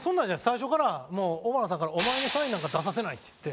最初から尾花さんから「お前にサインなんか出させない」って言って。